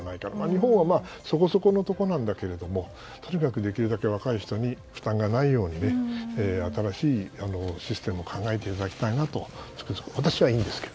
日本はそこそこのところなんだけどとにかくできるだけ若い人に負担がないように新しいシステムを考えていただきたいなとつくづく。